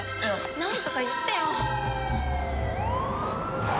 なんとか言ってよ！